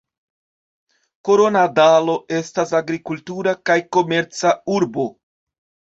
Koronadalo estas agrikultura kaj komerca urbo.